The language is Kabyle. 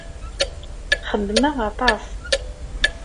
Xeddmeɣ aṭas.